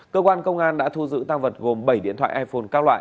cơ quan công an đã thu giữ tăng vật gồm bảy điện thoại iphone các loại